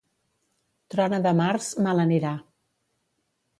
Trona de març, mal anirà.